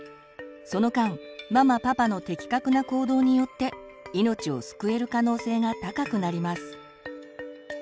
その間ママ・パパの的確な行動によって命を救える可能性が高くなります。